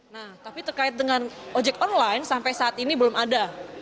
nah tapi terkait dengan ojek online sampai saat ini belum ada